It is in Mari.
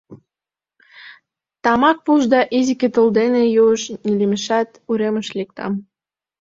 Тамак пуш да изике тул дене юж нелемешат, уремыш лектам.